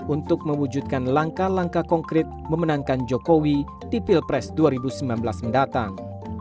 untuk mewujudkan langkah langkah konkret memenangkan jokowi di pilpres dua ribu sembilan belas mendatang